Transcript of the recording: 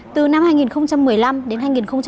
từ năm hai nghìn một mươi năm đến hai nghìn hai mươi